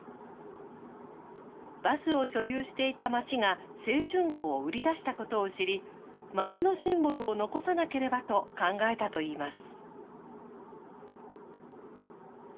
バスを所有していた町が、青春号を売り出したことを知り、町のシンボルを残さなければと考えたといいます。